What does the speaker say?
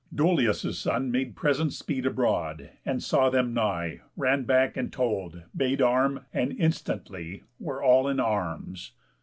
Dolius' son Made present speed abroad, and saw them nigh, Ran back, and told, bade arm; and instantly Were all in arms.